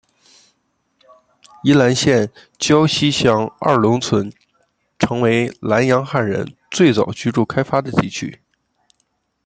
宜兰县礁溪乡二龙村成为兰阳汉人最早居住开发的地区。